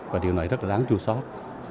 và điều này rất là đáng chua sót